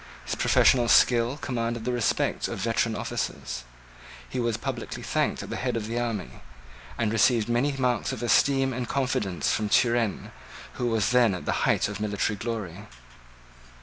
His professional skill commanded the respect of veteran officers. He was publicly thanked at the head of the army, and received many marks of esteem and confidence from Turenne, who was then at the height of military glory.